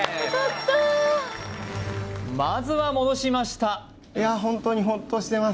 まずは戻しました